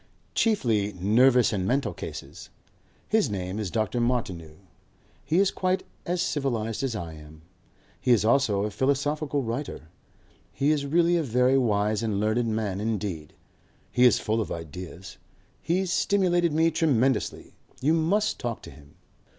Chiefly nervous and mental cases. His name is Dr. Martineau. He is quite as civilized as I am. He is also a philosophical writer. He is really a very wise and learned man indeed. He is full of ideas. He's stimulated me tremendously. You must talk to him."